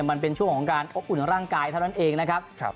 มันเป็นช่วงของการอบอุ่นร่างกายเท่านั้นเองนะครับ